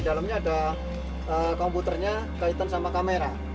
di dalamnya ada komputernya kaitan sama kamera